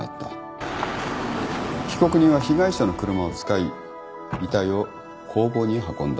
被告人は被害者の車を使い遺体を工房に運んだ。